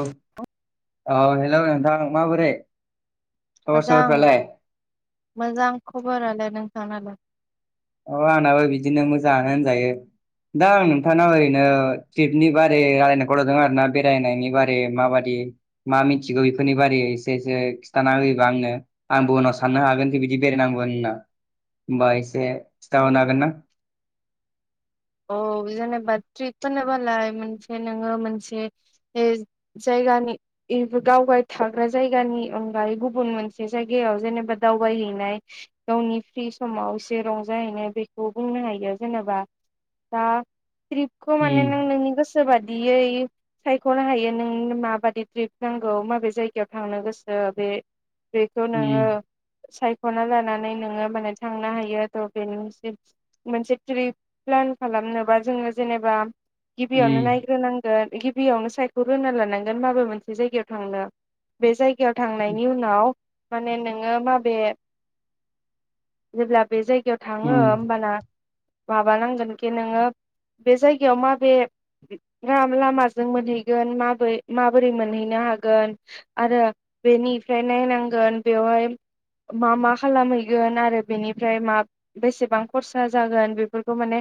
उम, औ हेल' नोंथां माबोरै? खबर मोजां, सबरफ्रालाय मोजां खबर आलाय। नोंथां नालाय? औ, आंनाबो बिदिनो मोजाङानो होनजायो। दा आं नोंथांनाव ओरैनो ट्रिपनि बारै रायलायनो कल हरदों आरोना बेरायनायनि बारै माबादि मा मिथिगौ इफोरनि बारैै एसे एसे खिन्थाना होयोबा आंनो आंबो उनाव साननो हागोनदि बिदि बेरायनांगौ होनना, होमबा एसे खिथा हरनो हागोन ना? औ, जेनेबा ट्रिप होनो बालाय मोनसे नोङो मोनसे ए जायगानि इबो गावबाय थाग्रा जायगानि अनगायै गुबुन मोनसे जायगायाव जेनेबा दावबाय हैनाय गावनि प्रि समाव एसे रंजा हैनाय बेखौ बुंनो हायो जेनेबा बा ट्रिपखौ माने उम नों नोंनि गोसो बादियै सायख'नो हायो नोंनो माबादि ट्रिप नांगौ माबे जायगायाव थांनो गोसो बे बेखौ नोङो उम सायख'ना लानानै नोङो माने थांनो हायो थ' बेनि मोनसे मोनसे ट्रिप प्लान खालामनोबा जोङो जेनेबा गिबियावनो उम नायग्रोनां गोन गिबियावनो सायख'ग्रोना लानांगोन माबा मोनसे जायगायाव थांनो। बे जायगायाव थांनायनि उनाव माने नोङो माबे, जेब्ला बे जायगायाव थाङो उम होमबाना बा नांगोन खि नोङो बे जायगायाव माबे [unintelligible] लामाजों मोनहैगोन माबोरै माबोरै मोनहैनो हागोन आरो बेनिफ्राय नायनांगोन बेवहाय मा मा खालामहैगोन आरो बेनिफ्राय मा बेसेबां खरसा जागोन बे फोरखौ माने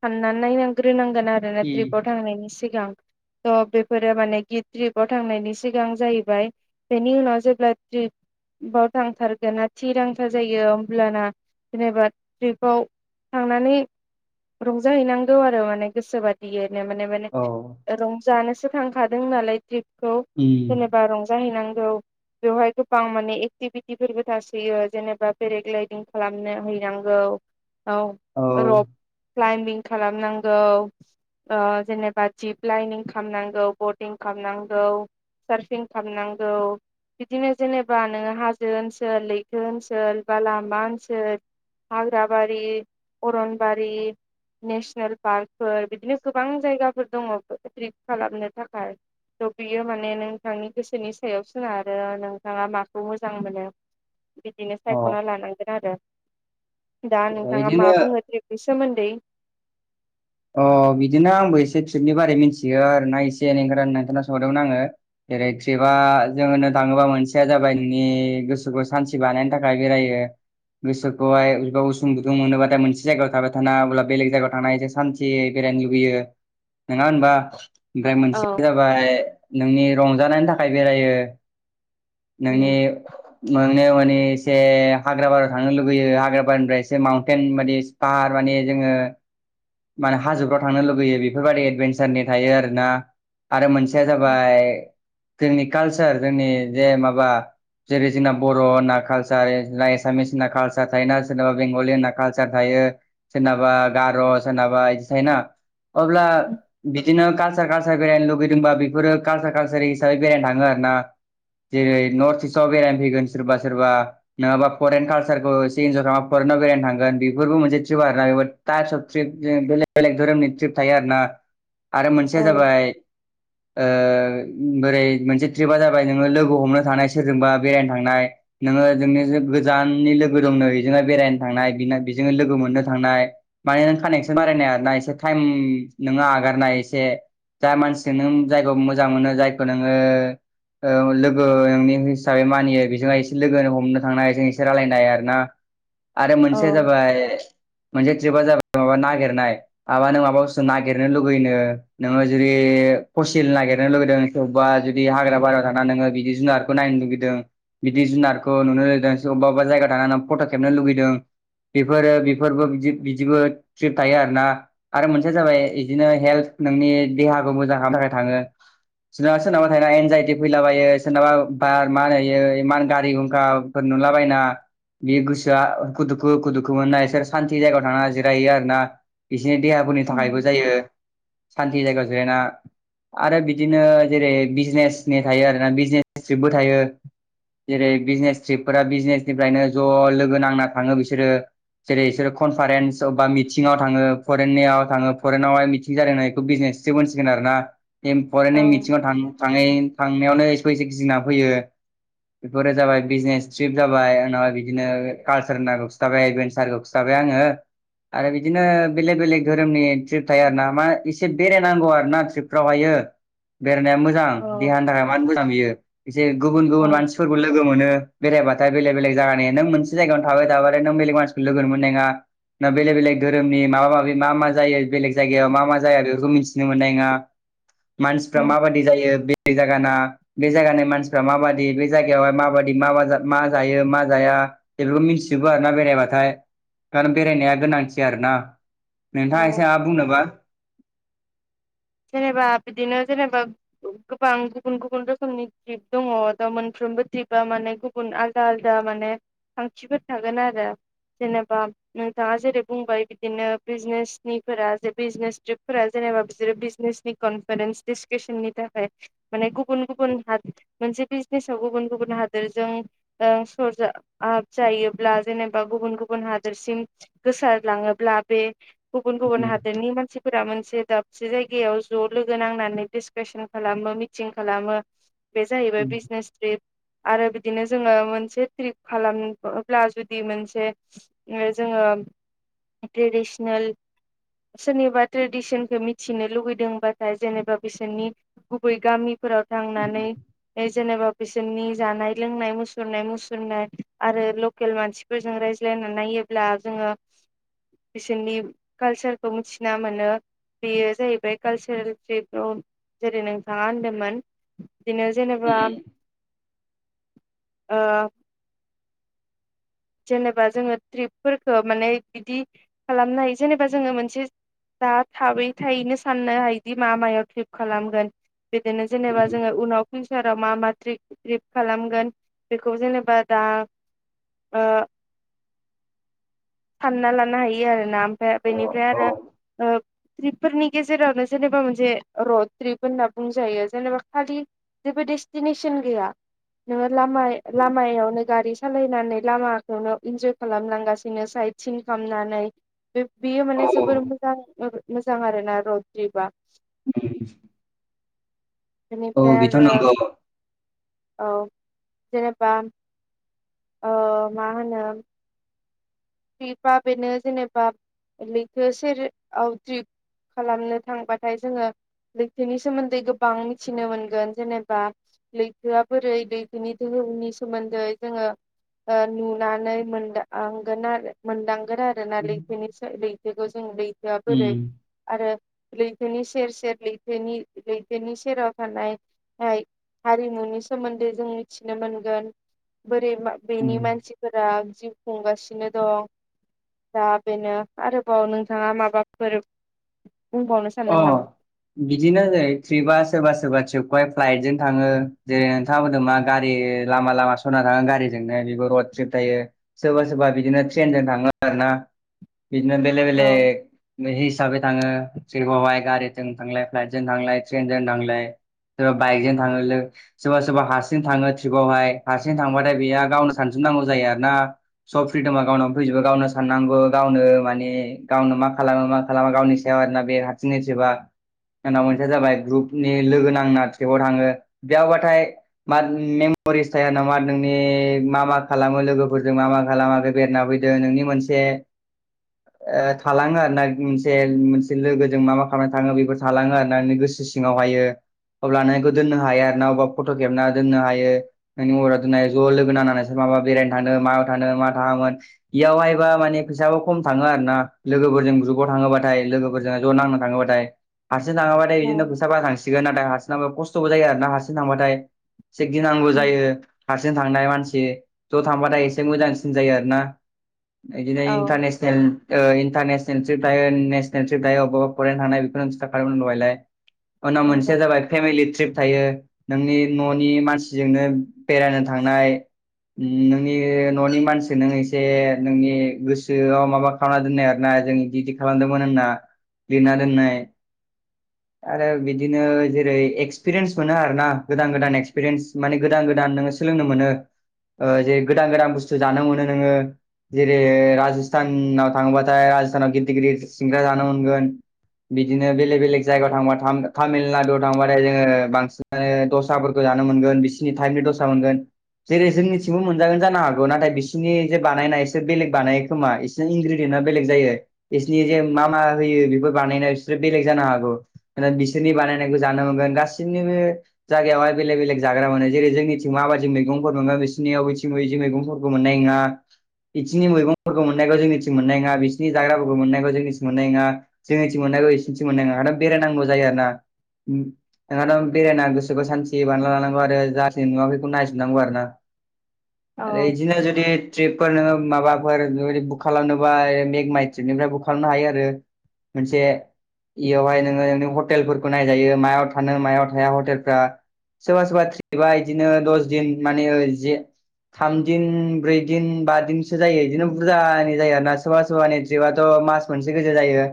सानना नायनांग्रोनांगोन आरोना उम ट्रिपआव थांनायनि सिगां। थ' बेफोरो माने खि ट्रिपआव थांनायनि सिगां जाहैबाय बेनि उनाव जेब्ला ट्रिप बाव थांथारगोन ना थिरांथा जायो होमब्लाना जेनेबा ट्रिपआव थांनानै रंजा हैनांगौ आरो माने गोसो बादियैनो माने माने औ रंजानोसो थांखादों नालाय ट्रिपखौ उम जेनेबा रंजा हैनांगौ। बेवहाय गोबां माने एक्टिभिटिफोरबो थासैयो जेनेबा पेराग्लायदिं खालामनो हैनांगौ। औ रक क्लाइमबिं खालामनांगौ। ओ जेनेबा दिप लाइनिं खालामनांगौ बटिं खालामनांगौ। सारफिं खालामनांगौ। बिदिनो जेनेबा नोङो हाजो ओनसोल लैथो ओनसोल बा लामा ओनसोल। हाग्राबारि अरनबारि। नेसनेल पार्कफोर बिदिनो गोबां जायगाफोर दङ ट्रिप खालामनो थाखाय। थ' बियो माने नोंथांनि गोसोनि सायाव सोना रो नोंथाङा माखौ मोजां मोनो। बिदिनो सायख'ना लानांगोन आरो, दा अ नोंथाङा मा इदिनो बुङो ट्रिपनि सोमोन्दै अ' बिदिनो आंबो एसे ट्रिपनि बारै मिथियो आरोना एसे एनै ओंखायनो आं नोंथांनाव सोंहरदोंमोन आङो। जेरै ट्रिपआ जों होन्नो थाङोबा मोनसेया जाबाय नोंनि गोसोखौ सान्थि बानायनो थाखाय बेरायो। गोसोखौहाय [unintelligible] उसुं गुदुं मोनोबाथाय मोनसे जायगायाव थाबाय थानो हायाब्ला बेलेग जायगायाव थांना एसे सान् थियै बेरायनो लुबैयो नङा होनबा? ओमफ्राय औ मोनसेया जा बाय नोंनि रंजानायनि थाखाय बेरायो, नोंनि [unintelligible] माने एसे हाग्रााबारिायाव थांनो लुगैयो हाग्राबारिनिफ्राय एसे माउन्टेन माने फाहार माने जोङो माने हाजोफ्राव थांनो लुुबैयो बेफोरबायाददि एदभेन्सारनि थायो आरोना आरो मोन [unintelligible] या जाबाय जोंनि कालचार जोंनि जे माबा जेरै जोंना बर' होनना कालसार ना एसामिस होनना कालचार थोना सोरनाबा बेंगलि होनना कालसार थायो सोरनाबा गार' सोरनाबा इदि थायोना अब्ला बिदिनो कालसार कालसार बेरायनो लुगैदोंबा बेफोरो कालसार कालसार हिसाबै बेरायनो थाङो आरो ना जेरै नर्थ इस्टआव बेरायनो फैगोन सोरबा सोरबा नङाबा फरेन काल्सारखौ एसे इन्जय खालामा फरेननाव बेरायनो थांगोन बेफोरबो मोनसे ट्रिप आरोना बे टानस अफ ट्रिप जों बेलेग बेलेग धोरोमनि ट्रिप थायो आरोना आरो मोनसेया औ जाबाय ओ ओ बोरै मोनसे ट्रिपा जाबाय नोङो लोगो हमनो थांनाय सोरजोंबा बेरायनो थांनाय नोङो जोंनि गोजाननि लोगो दंनो एजोंहाय बेरायनो थांनाय बेना बेजोंनो लोगो मोननो थांनाय माने नों कानेक्सन बारायनाय आरोना एसे टाइम नोङो आगारनाय एसे जाय मानसिजों नों जायगायाव मोजां मोनो जायखौ नोङो ओ लोगो नोंनि हिसाबै मानियो बेजों एसे लोगोनो हमनो थांनायजों एसे रायजलायनाय आरोना आरो औ मोनसेया जाबाय मोनसे ट्रिपा जाबाय माबा नागिरनाय माबा नों माबा बस्थु नागिरनो लुगैनो नोङो जुदि फसिल नागिरनो लुगैदों अबावबा जुदि हाग्रा बारायाव थाना नोङो बिदि जुनारखौ नायनो लुगैदों बिदि जुनारखौ नुनो लुबैदों अबा अबेबा जायगा थांनानै फट' खेबनो लुगैदों बेफोरो बेफोरबो बिदि बिदिबो ट्रिप थायो आरोना आरो मोनसेया जाबाय बिदिनो हेल्थ नोंनि देहाखौ मोजां खालामनो थाखाय थाङो सोरनाबा सोरनाबा थायो एनजाइटि फैलाबायो सोरनाबा बार मा होनो एयो इमान गारि हुंखा फोर नुलाबायना बे गोसोआ हुखु दुखु हखु दुखु मोना बिसोर सान्थि जायगायाव थांना [unintelligible] आरोना बिसोरनि देहाफोरनि औ थाखायबो जायो सान्थि जायगायाव जिरायना आरो बिदिनो जेरै बिजनेसनि थायो आरोना बिजनेस ट्रिपबो थायो जेरै बिजनेस ट्रिपफोरा बिजनेसनिफ्रायनो ज' लोगो नांना थाङो बिसोरो जेरै इसोरो कनफारेन्स अबा मिथिङाव थाङो फरेननियाव थाङो फरेनावहाय मिथिं जादों नो बिखौ बिजनेस ट्रिपहोनसिगोन आरोना [unintelligible] फरायनाय मिथिङाव थाङ थां थांनायावनो एसेख गिना फैयो बेफोरो जाबाय बिजनेस ट्रिप जाबाय उनावाय बिदिनो कालसार नांगखौ खिथाबाय एडभेन्सार हिसाबै आङो आरो बिदिनो बेलेग बेलेग धोरोमनि ट्रिप थायो आरोना मा एसे बेरायनांगौ आरोना ट्रिपफ्रावहायो बेरायनाया मोजां औ देहानि थाखाय मानो मोजां बियो एसे गुबुन गुबुन औ मानसि फोरबो लोगो मोनो बेरायबाथाय बेलेग बेलेग जायानि नों मोनसे जायगायाव थाबायाबाथाय नों बेलेग मानसिखौ लोगो मोननाय नङा ना बेलेग बेलेग धोरोमनि माबा माबि मा मा जायो बेलेग जायगायाव मा मा जाया बेफोरखौ मिन्थिनो मोननाय नङा मानसिफ्रा माबायदि जायो बेलेग जायगाना बे जायगानि मानसिफ्रा माबायदि बे जायगायावहाय माबायदि मा मा जायो मा जाया बेखौ मिथिजोबो आरोना बेरायबाथाय खारन बेरायनाया गोनांथि आरोना नोंथाङा एसे औ माबा बुंनोबा जेनेबा बिदिनो जेनेबा गोबां गुबुन गुबुन रोखोमनि ट्रिप दङ द मोनफ्रोमबो ट्रिपआ माने गु बुन आलदा आलदा माने खांथिफोर थागोन आरो जेनेबा नोंथाङा जेरै बुंबाय बिदिनो बिजनेसनिफोरा जे बिजनेस ट्रिपफोरा जेनेबा बिसोरो [unintelligible] नि कनफारेन्स डिसकासननि थाखाय माने गुबुन गुबुन हादोर मोनसे बिजनेसाव गुबुन गुबुन हादोरजों सरजाब जायोब्ला जेनेबा गुबुन गुबुन हादोरसिम गोसारलाङोब्ला बे गुबुन गुबुन हादोरनि मानसिफोरा मोनसे दाबसे जायगा जायगायाव ज' लोगो नांनानै डिसकशन खालामो मिटिं खालामो बे जाहैबाय बिजनेस बे आरो बिदिनो जोङो मोनसे ट्रिप खालामोब्ला जुदि मोनसे जोङो ट्रेडिसनेल सोरनिबा ट्रेडिसनखौ मिथि मिथिनो लुबैदोंबाथाय जेनेबा बिसोरनि गुबै गामिफोराव थांनानै जेनेबा बिसोरनि जानाय लोंनाय मुसुरनाय मुसुरनाय आरो लकेल मानसिफोरजों रायज्लायनानै नायोब्ला जोङो बिसोरनि कालचारखौ मिथिना मोनो बेयो जाहैबाय कालचारेल ट्रिप आव जेरै नोंथाङा होनदोंमोन बिदिनो जेनेबा ओ जेनेबा जोङो ट्रिपफोरखौ माने बिदि खालामनो हायो जेनेबा जोङो मोनसे दा थाबै थायैनो साननो हायोदि मा मायाव ट्रिप खालामगोन बिदिनो जेनेबा जोङो उनाव फिउसाराव मा मा ट्रिप ट्रिप खालामगोन बेखौ जेनेबा दा ओ फानना लानो हायो आरोना ओमफ्राय बेनिफ्राय औ आरो ट्रिपफोरनि गेजेरावनो जेनेबा मोनसे रड ट्रिप होनना बुंजायो जेनेबा खालि जेबो डेस्टिनेसन गैया नोङो लाम लामायावनो गारि सालायनानै लामाखौनो इन्जय खालामलांगासिनो साइड सिन खालामनानै बे बियो औ माने जोबोर मोजां मोजां आरो ना रड ट्रिपबा द [inaudible] औ बेनिफ्राय बेथ' आरो नंगौ औ जेनेबा ओ मा होनो ट्रिपा बेनो जेनेबा बेखौ सेराव ट्रिप खालामनो थांबाथाय जोङो लैथोनि सोमोन्दै गोबां मिथिनो मोनगोन जेनेबा लैथोआ बोरै लैथोनि दोहौनि सोमोन्दै जोङो नुनानै मोनदांगोन आरो मोनदांगोन आरो ना लैथोनि लैथोखौ जों लैथोआ बोरै आरो लैथोनि सेर सेर लैथोनि लैथोनि सेराव थानाय ओमफ्राय हारिमुनि सोमोन्दै जों मिथिनो मोनगोन बोरै मा बेनि उम मानसिफोरा जिउ खुंगासिनो दं दा बेनो आरोबाव नोंथाङा माबाफोर बुंबावनो अ सानदों नामा? बिदिनो जेरै ट्रिपा सोरबा सोरबा ट्रिपखौहाय फ्लाइटजों थाङो जेरै नोंथाङा बुंदों मा गारि लामा लामा सना थाङो गारिजोंनो बेबो रड ट्रिप थायो [unintelligible] सोरबा सोरबा बिदिनो ट्रेनजों थाङो आरो ना बिदिनो बेलेक औ बेलेक बिदि हिसाबै थाङो सोरबा हाय गारिजों थांलाय फ्लाइटजों थांलाय ट्रेनजों थांलाय सोरबा बाइकजों थाङो लो सोरबा सोरबा हारसिं थाङो ट्रिपावहाय हारसिं थांबाथाय बेया गावनो सानसनांगौ जायो आरोना सब फ्रिदमा गावनाव फैजोबो गावनो साननांगौ गावनो माने गावनो मा खालामो मा खालामा गावनि सायाव आरोना बे हारसिंनि ट्रिपबा जोंना मोनसेया जाबाय ग्रुपनि लोगो नांना ट्रिपआव थाङो बेयावबाथाय मा मेम'रिस थायो आरोना मा नोंनि मा मा खालामो लोगोफोरजों मा मा खालामाखै बेआरोना नोंनि मोनसे थालाङो आरो ना मोनसे लोगोजों मा मा खालामना थाङो बेखौ थालाङो आरो ना नोंनि गोसो सिङावहायो अब्ला लानायखौ दोननो हायो आरो ना अब्ला फट' खेबना दोननो हायो नोंनि महरा दिनै ज' लोगो नांनानै सोर माबा बेरायनो थाङो मायाव थानो मा थाङामोन बेयावहायबा माने फैसाबो खम थाङो आरोना लोगोफोरजों ग्रुपाव थाङोबाथाय लोगोफोरजों ज' नांनो थाङोबाथाय हारसिं थाङाबाथाय बिदिनो खोसाबा थांसिगोन नाथाय हारसिं एसे खस्थ'बो जायो आरो ना हारसिं थांबाथाय एसे गिनांगौ उम जायो हारसिं थांनाय मानसि ज' थांबाथाय एसे मोजांसिन जायो आरोना बिदिनो औ इन्टारनेसनेल नेसनेल ओ इन्टारनेसनेल ट्रिप थायो नेसनेल दायो अबबा फरायनो थांनाय बेखौ खिथाखादोमोन दहयलाय अ नङा नंगौ मोनसेया जाबाय [unintelligible] फेमिलि ट्रिप थायो नोंनि न'नि मानसिजोंनो बेरायनो थांनाय नोंनि न'नि मानसि नों एसे नोंनि गोसोआव माबा खालामना दोननाय आरोना जों इदि आदि खालामदोंमोन होनना लिरना दोननाय आरो बिदिनो जेरै एक्सपिरियेन्स मोनो आरोना गोदान गोदान एक्सपिरियेन्स माने गोदान गोदान नोङो सोलोंनो मोनो ओ जे गोदान गोदान बुस्थु जानो मोनो नोङो जेरै राजस्थानाव थाङोबाथाय राजस्थानाव गिदिर गिदिर सिंग्रा जानो मोनगोन। बिदिनो बेलेग बेलेग जायगायाव थांबा तामिलनाडुआव थांबाथाय जोङो बांसिन माने दसाफोरखौ जानो मोनगोन बिसिनि टाइपनि दसा मोनगोन जेरै जोंनिथिंबो मोनजागोन जानो हागौ नाथाय बिसोरनि जे बानायनाय एसे बेलेग बानायो खोमा ए सेनि इनग्रेडयेन्टआ बेलेग जायो इसोनि जे मा मा होयो बेफोर बानायनायाव इसोर बेलेग जानो हागौ माने बिसोरनि बानायनायखौ जानो मोनगोन गासिनिबो जायगायावहाय बेलेग बेलेग जाग्रा मोनो जेरै जोंनिथिं माबायदि मैगंफोर मोनो बैसोरनियाव बैथिंबो इदि मैगंफोर खौ मोननाय नङा इथिंनि मैगंफोरखौ मोननायखौ जोंनिथिं मोननाय नोङा बिसिनि जाग्राफोरखौ मोननायखौ जोंनिथिं मोननाय नोङा जोंनिथिं मोननायखौ इसिनिथिं मोननाय नङा आरो बेरायनांगौ जायो आरोना नोंहाथ' बेरायना गोसोखौ सान्थि बानायना लानांगौ आरो जाथिनि नुवाैखौ नायजोबनांगौ आरोना औ आरो इदिनो जुदि ट्रिपफोर नोङो माबाफोर बेबादि बुक खालामनोबा मेग माइ ट्रिपनिफ्राय बुक खालामनो हायो आरो मोनसे इयावहाय नोङो नों हटेलफोरखौ नायजायो मायाव थानो मायाव थाया हटेलफ्रा सोरबा सोरबा ट्रिबा इदिनो दस दिन माने जे थामदिन ब्रैदिन बा दिनसो जायो इदिनो बुरजानि जायो आरोना सोरबा सोरबानि जेबाथ' मास मोनसे गोजा जायो।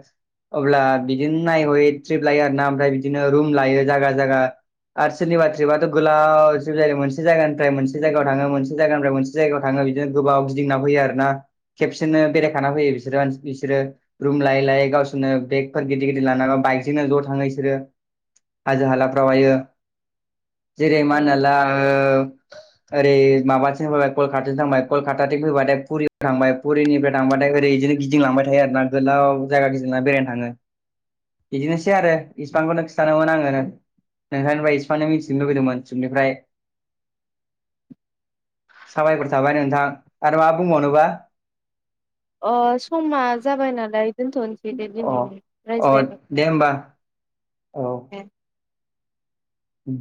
अब्ला बिदिनो नाय हयै ट्रिप लायो आरोना ओमफ्राय बिदिनो रुम लायो जागा जागा आर सोरनि ट्रिप बाथ' गोलाव ट्रिप जायो मोनसे जायगानिफ्राय मोनसे जायगायाव थाङो मोनसे जायगानिफ्राय मोन से जायगायाव थाङो बिदिनो गोबाव गिदिंना फैयो आरोना खेबसेनो बेरायखाना फैयो बिसोरो इसोरो रुम लायै लायै गावसोरनो बेकफोर गिदिर गिदिर लाना बाइकजोंनो ज' थाङो इसोरो। हाजो हालाफ्राहायो जेरै मा होनना औ ला ओरै माबाथिं फैबाय कलकाताथिं थांबाय कलकाताथिं फैबायाथाय पुरियाव थांबाय फुरिनिफ्राय थांबाथाय ओरै इदिनो गिदिंलांबाय थायो आरोना गोलाव जायगा गिदिंना बेरायनो थाङो बिदिनोसै आरो इसिबांखौनो खिथानोमोन आङो। नोंथांनिफ्राय इसिबानो मिथिनो लुुबैदोंमोन सपनिफ्राय साबायखर थाबाय नोंथां आरो मा बुंबावनोबा अ समा जाबाय नालाय दोनथ'नोसै दे अ दिनैनि अ रायज्लायनायखौ दे होमबा ए उ